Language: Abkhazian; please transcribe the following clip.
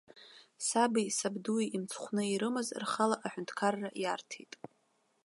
Саби сабдуи имцхәны ирымаз рхала аҳәынҭқарра иарҭеит.